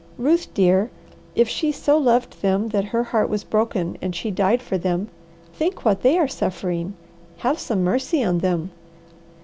Ruth dear, if she so loved them that her heart was broken and she died for them, think what they are suffering! Have some mercy on them."